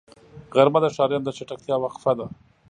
غرمه د ښاريانو د چټکتیا وقفه ده